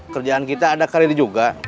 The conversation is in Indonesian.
kerjaan kita ada karir juga